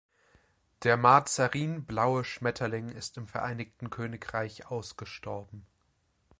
Der Mazarinblaue Schmetterling ist im Vereinigten Königreich ausgestorben.